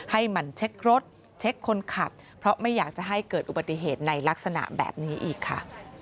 หมั่นเช็ครถเช็คคนขับเพราะไม่อยากจะให้เกิดอุบัติเหตุในลักษณะแบบนี้อีกค่ะ